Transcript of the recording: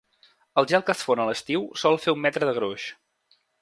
El gel que es fon a l'estiu sol fer un metre de gruix.